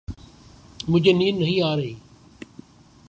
مجھے نیند نہیں آ رہی۔